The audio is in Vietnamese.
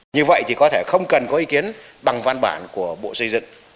như vậy thì có thể không cần có ý kiến bằng văn bản của bộ xây dựng